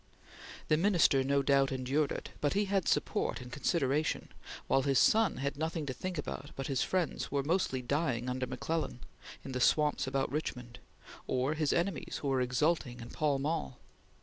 The Minister, no doubt, endured it, but he had support and consideration, while his son had nothing to think about but his friends who were mostly dying under McClellan in the swamps about Richmond, or his enemies who were exulting in Pall Mall.